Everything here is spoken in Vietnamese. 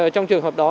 trong trường hợp đó